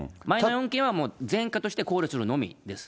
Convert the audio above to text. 前の４件は前科として考慮するのみです。